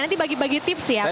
nanti bagi bagi tips ya